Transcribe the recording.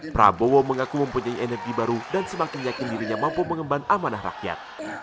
prabowo mengaku mempunyai energi baru dan semakin yakin dirinya mampu mengemban amanah rakyat